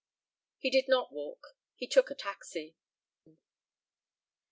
He did not walk. He took a taxi.